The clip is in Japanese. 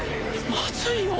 まずいよ